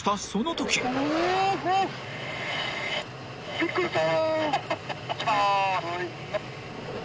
びっくりした。